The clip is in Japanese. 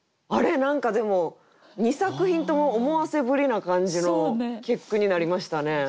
何かでも２作品とも思わせぶりな感じの結句になりましたね。